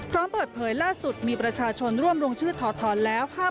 พร้อมเปิดเผยล่าสุดมีประชาชนร่วมลงชื่อถอดถอนแล้ว